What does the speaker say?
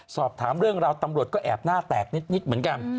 สอบถามเรื่องราวตำรวจก็แอบหน้าแตกนิดเหมือนกัน